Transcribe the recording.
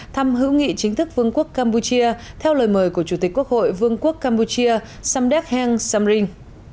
thăm hữu nghị chính thức vương quốc campuchia theo lời mời của chủ tịch quốc hội vương quốc campuchia samdek heng samring